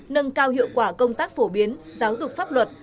nâng cao hiệu quả công tác phổ biến giáo dục pháp luật